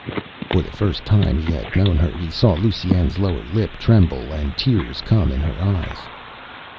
For the first time since he had known her he saw Lusine's lower lip tremble and tears come in her eyes.